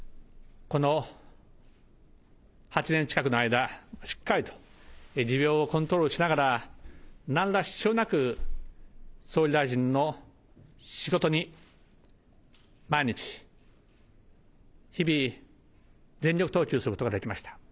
この８年近くの間、しっかりと持病をコントロールしながら、なんら支障なく、総理大臣の仕事に毎日日々、全力投球することができました。